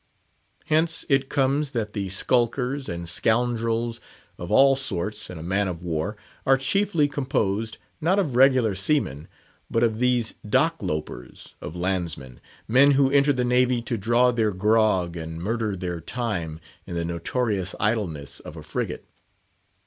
Hence it comes that the skulkers and scoundrels of all sorts in a man of war are chiefly composed not of regular seamen, but of these "dock lopers" of landsmen, men who enter the Navy to draw their grog and murder their time in the notorious idleness of a frigate.